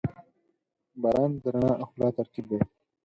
• باران د رڼا او ښکلا ترکیب دی.